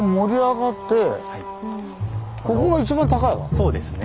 そうですね。